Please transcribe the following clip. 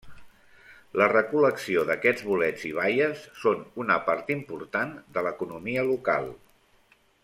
La recol·lecció d'aquests bolets i baies són una part important de l'economia local.